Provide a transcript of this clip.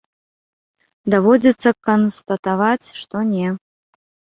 Даводзіцца канстатаваць, што не.